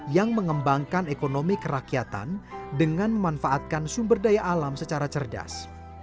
yang mengembangkan ekonomi kerakyatan dengan memanfaatkan sumber daya alam secara cerdas